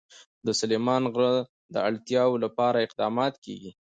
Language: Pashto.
د سلیمان غر د اړتیاوو لپاره اقدامات کېږي.